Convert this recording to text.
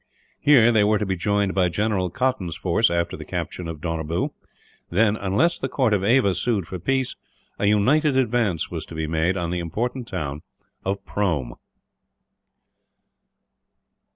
Here they were to be joined by General Cotton's force, after the capture of Donabew; then, unless the court of Ava sued for peace, a united advance was to be made on the important town of Prome.